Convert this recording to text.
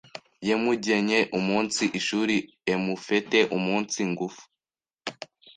yemujyenye umunsi ishuri emufete umunsi ngufu